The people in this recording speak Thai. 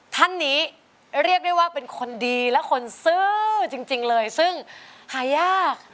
ท่านนี้เรียกได้ว่าเป็นคนดีและคนซื้อจริงเลยซึ่งหายาก